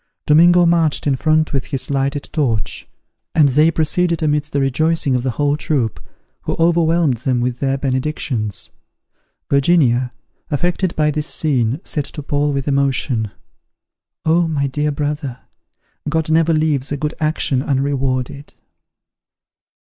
Domingo marched in front with his lighted torch, and they proceeded amidst the rejoicings of the whole troop, who overwhelmed them with their benedictions. Virginia, affected by this scene, said to Paul, with emotion, "Oh, my dear brother! God never leaves a good action unrewarded."